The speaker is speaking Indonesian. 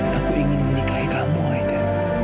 dan aku ingin menikahi kamu aida